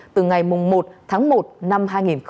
từ ngày một tháng một năm hai nghìn hai mươi